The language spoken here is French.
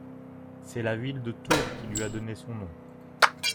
C’est la ville de Tours qui lui a donné son nom.